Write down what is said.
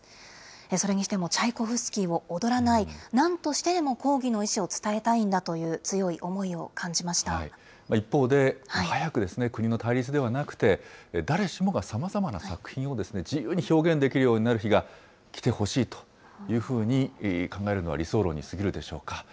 それにしてもチャイコフスキーを踊らない、なんとしてでも抗議の意思を伝えたいんだという、強い一方で、早く国の対立ではなくて、誰しもがさまざまな作品を自由に表現できるようになる日が来てほしいというふうに考えるのは理想論に過ぎるでしょうか。